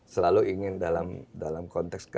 selalu ingin dalam konteks